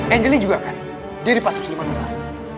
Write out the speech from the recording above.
angelie juga kan dia dipatuh siluman ular